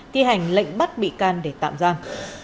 thi hành lệnh bắt bị can để tạm giam